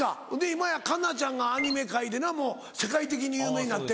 今や香菜ちゃんがアニメ界でなもう世界的に有名になって。